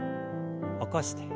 起こして。